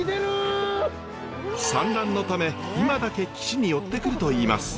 産卵のため今だけ岸に寄ってくるといいます。